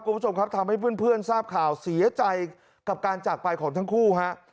คุณผู้ชมครับทำให้เพื่อนทราบข่าวเสียใจกับการจากไปของทั้งคู่ฮะ